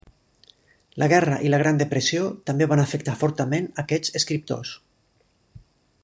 La guerra i la gran depressió també van afectar fortament aquests escriptors.